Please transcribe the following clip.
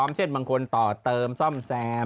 เช่นบางคนต่อเติมซ่อมแซม